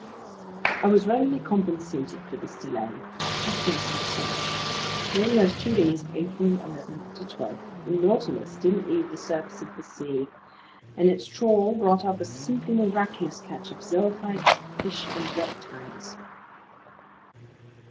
I was readily compensated for this delay by fascinating research. During those two days of April 11 12, the Nautilus didn't leave the surface of the sea, and its trawl brought up a simply miraculous catch of zoophytes, fish, and reptiles.